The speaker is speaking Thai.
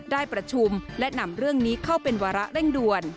ได้ประชุมและนำเรื่องนี้เข้าเป็นวาระเร่งด่วน